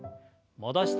戻して。